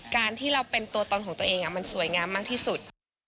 การที่เราเป็นตัวตนของตัวเองมันสวยงามมากที่สุด